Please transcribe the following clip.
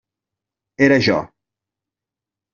Era jo.